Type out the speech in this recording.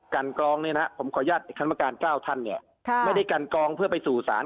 กันกองเนี้ยนะผมขอญาติคณะกรรมการเก้าท่านเนี้ยค่ะไม่ได้กันกองเพื่อไปสู่ศาล